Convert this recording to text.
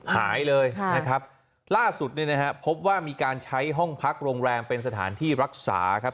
หายเลยนะครับล่าสุดเนี่ยนะฮะพบว่ามีการใช้ห้องพักโรงแรมเป็นสถานที่รักษาครับ